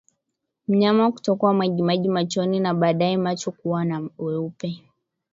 Mnyama kutokwa majimaji machoni na baadaye macho kuwa na weupe